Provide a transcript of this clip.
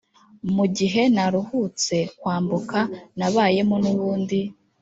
mugihe naruhutse kwambuka nabayemo nubundi,